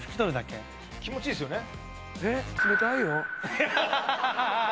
気持ちいいですよね